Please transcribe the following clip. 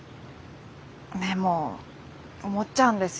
でも思っちゃうんですよね。